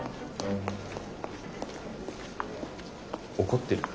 怒ってる？